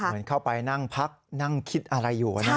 เหมือนเข้าไปนั่งพักนั่งคิดอะไรอยู่นะ